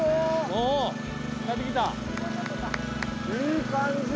いい感じ。